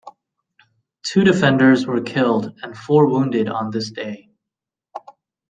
Two defenders were killed and four wounded on this day.